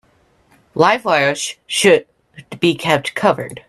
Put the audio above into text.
Live wires should be kept covered.